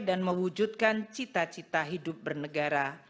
dan mewujudkan cita cita hidup bernegara